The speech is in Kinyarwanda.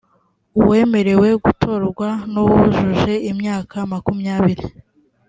uwemerewe gutorwa nuwujuje imyaka makumyabiri.